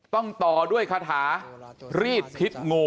ต่อด้วยคาถารีดพิษงู